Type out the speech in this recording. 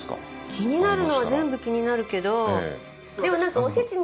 気になるのは全部気になるけどでもなんか。